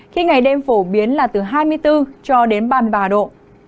khi ngày đêm phổ biến là từ hai mươi bốn cho đến ba mươi ba độ